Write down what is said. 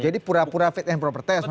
jadi pura pura fit and proper test maksudnya